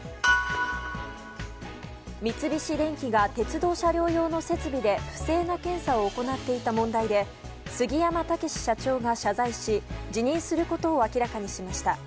三菱電機が鉄道車両用の設備で不正な検査を行っていた問題で杉山武史社長が謝罪し辞任することを明らかにしました。